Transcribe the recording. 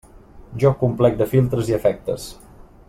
Joc complet de filtres i efectes.